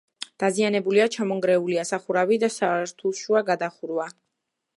დაზიანებულია: ჩამონგრეულია სახურავი და სართულშუა გადახურვა.